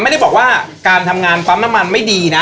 ไม่ได้บอกว่าการทำงานปั๊มน้ำมันไม่ดีนะ